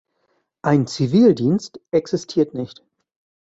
Ein Zivildienst existiert nicht.